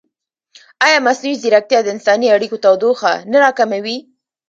ایا مصنوعي ځیرکتیا د انساني اړیکو تودوخه نه راکموي؟